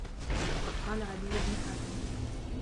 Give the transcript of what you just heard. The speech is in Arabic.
وَقَدْ قَالَ عَدِيُّ بْنُ حَاتِمٍ